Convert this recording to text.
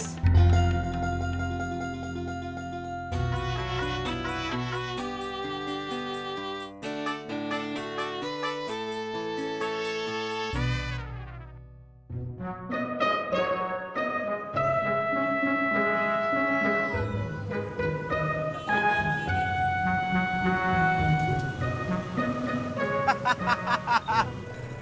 sampai jumpa lagi